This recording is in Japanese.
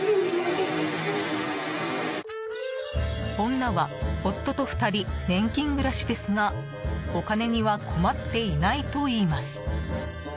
女は夫と２人年金暮らしですがお金には困っていないといいます。